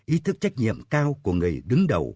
ý thức trách nhiệm cao của người đứng đầu